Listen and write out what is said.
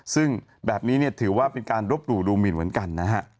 ซึ่งแบบนี้เนี่ยถือว่าเป็นการรบหลู่ดูหมินเหมือนกันนะฮะ